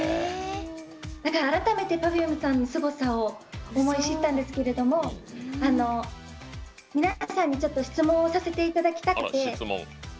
だから改めてＰｅｒｆｕｍｅさんのすごさを思い知ったんですけど皆さんに質問をさせていただきたくて。